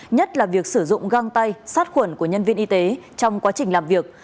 nhất là việc sử dụng găng tay sát khuẩn của nhân viên y tế trong quá trình làm việc